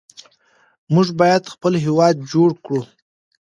موږ باید خپل هېواد جوړ کړو.